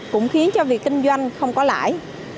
cũng khiến cho việc kinh doanh không có lãi